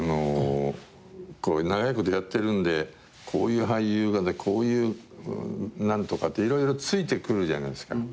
長いことやってるんでこういう俳優こういう何とかって色々付いてくるじゃないですか。